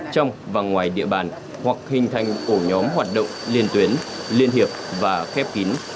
trong và ngoài địa bàn hoặc hình thành ổ nhóm hoạt động liên tuyến liên hiệp và khép kín